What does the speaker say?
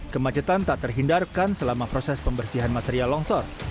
kemacetan tak terhindarkan selama proses pembersihan material longsor